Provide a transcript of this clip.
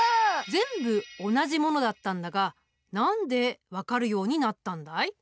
全部同じものだったんだが何で分かるようになったんだい？